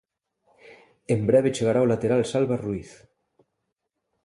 En breve chegará o lateral Salva Ruiz.